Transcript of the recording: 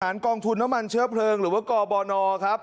ผ่านกองทุนน้ำมันเชื้อเพลิงหรือว่าก่อบอร์นอลครับ